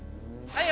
はい！